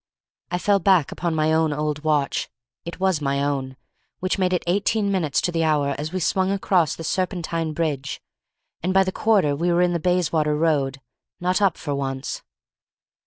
I fell back upon my own old watch (it was my own), which made it eighteen minutes to the hour as we swung across the Serpentine bridge, and by the quarter we were in the Bayswater Road—not up for once.